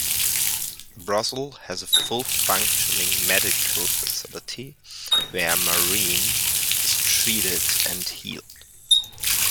Her brothel has a fully functioning medical facility, where Maureen is treated and healed.